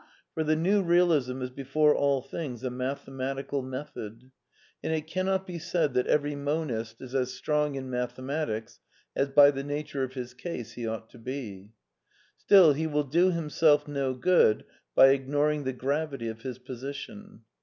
For the New Eealism is before all things a ^JV— — mathematical method; and it cannot be said that every monist is as strong in mathematics as by the nature of his case he ought to be. Still, he will do himself no good by ignoring the gravity of his position.